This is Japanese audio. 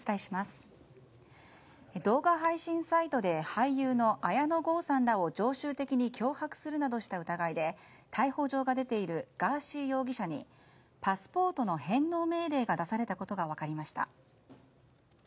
動画配信サイトで俳優の綾野剛さんらを常習的に脅迫するなどした疑いで逮捕状が出ているガーシー容疑者にパスポートの返納命令が出されたことが分かりました。